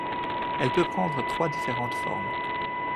Elle peut prendre trois différentes formes.